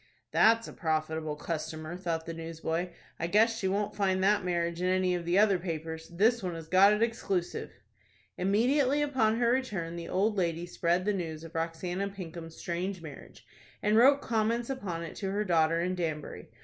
"That's a profitable customer," thought the newsboy. "I guess she won't find that marriage in any of the other papers. This one has got it exclusive." Immediately upon her return, the old lady spread the news of Roxanna Pinkham's strange marriage, and wrote comments upon it to her daughter in Danbury.